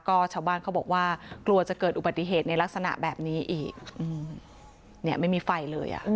ก็ชาวบ้านเขาบอกว่ากลัวจะเกิดอุบัติเหตุในลักษณะแบบนี้อีกเนี่ยไม่มีไฟเลยอ่ะ